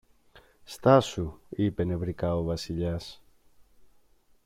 Στάσου, είπε νευρικά ο Βασιλιάς